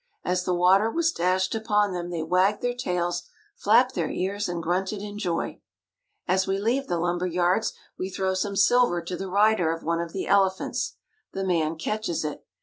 As the water was dashed upon them they wagged their tails, flapped their ears, and grunted in joy. As we leave the lumberyards we throw some silver to the rider of one of the elephants. The man catches it.